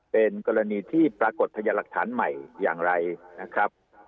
เป็นกรณีที่ปรากฏพยานหลักฐานใหม่อย่างไรนะครับ